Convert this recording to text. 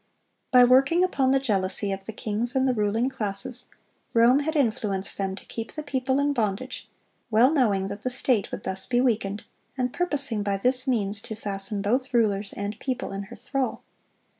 By working upon the jealousy of the kings and the ruling classes, Rome had influenced them to keep the people in bondage, well knowing that the state would thus be weakened, and purposing by this means to fasten both rulers and people in her thrall.